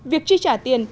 việc tri trả tiền